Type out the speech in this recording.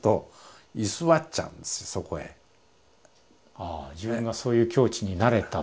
ああ自分がそういう境地になれたっていう。